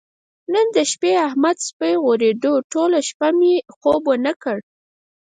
نن د شپې د احمد سپی غورېدو ټوله شپه یې مې خوب ونه کړ.